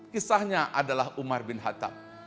kisahnya adalah umar bin khattab